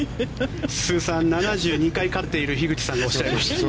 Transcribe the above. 通算７２回勝っている樋口さんがおっしゃいました。